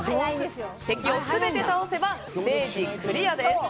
敵を全て倒せばステージクリアです。